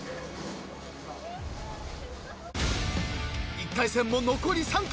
［１回戦も残り３組。